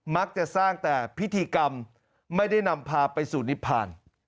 มักจะสร้างแต่พิธีกรรมไม่ได้นำพาไปสู่นิพพาน